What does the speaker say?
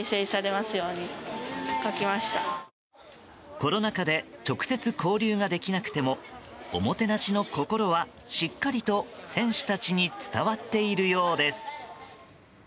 コロナ禍で直接交流ができなくてもおもてなしの心はしっかりと選手たちに伝わっているようです。